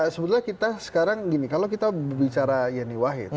sebenarnya kita sekarang gini kalau kita bicara yeni wahid